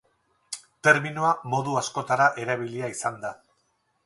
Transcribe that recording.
Terminoa modu askotara erabilia izan da.